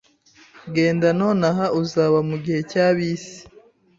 Genda nonaha uzaba mugihe cya bisi